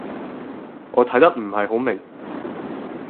我睇得唔係好明